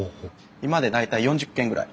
今で大体４０軒ぐらい。